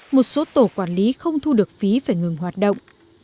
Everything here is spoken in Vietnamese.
một số tổ quản lý không thu được phí phải ngừng hoạt động